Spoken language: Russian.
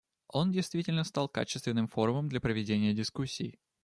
Он действительно стал качественным форумом для проведения дискуссий.